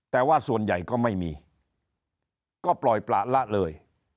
แต่ว่าส่วนใหญ่ก็ไม่มีก็ปล่อยประละเลย